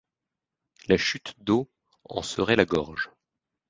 La chute d'eau en serait la gorge.